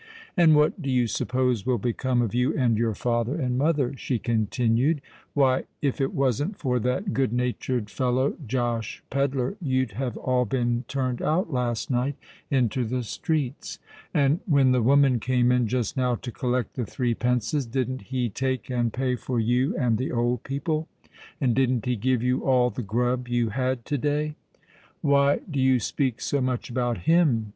"And what do you suppose will become of you and your father and mother?" she continued. "Why—if it wasn't for that good natured fellow Josh Pedler you'd have all been turned out last night into the streets. And when the woman came in just now to collect the three pences, didn't he take and pay for you and the old people? And didn't he give you all the grub you had to day?" "Why do you speak so much about him?"